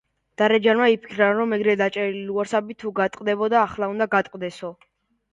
დარეჯანმა იფიქრა, რომ ეგრე დაჭერილი ლუარსაბი თუ გატყდებოდა, ახლა უნდა გატყდესო.